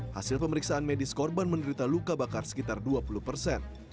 hasil pemeriksaan medis korban menderita luka bakar sekitar dua puluh persen